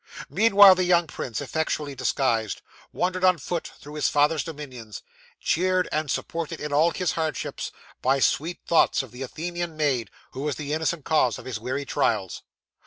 'Meanwhile, the young prince, effectually disguised, wandered on foot through his father's dominions, cheered and supported in all his hardships by sweet thoughts of the Athenian maid, who was the innocent cause of his weary trials.